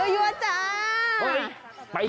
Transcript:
ยัวจ้า